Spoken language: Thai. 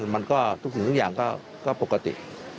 มันก็ทุกอย่างก็ปกติ